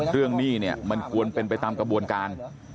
หนี้เนี่ยมันควรเป็นไปตามกระบวนการ